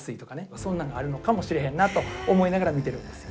そんなんがあるのかもしれへんなと思いながら見てるんですよ。